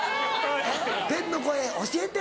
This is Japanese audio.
天の声教えて。